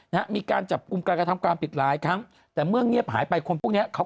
ว่าสวนลุ่มอย่างนี้คุณได้ยินตั้งแต่สบายในสวนลุ่ม